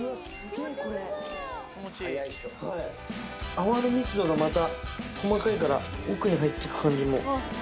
泡の密度がまた細かいから奥に入ってく感じも。